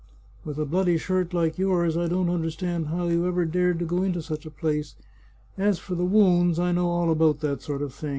" With a bloody shirt like yours, I don't understand how you ever dared to go into such a place. As for the wounds, I know all about that sort of thing.